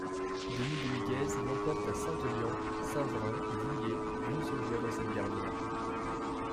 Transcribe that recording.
Denis Domingues l'emporte à Saint-Eulien, Saint-Vrain et Vouillers, d'une seule voix dans cette dernière.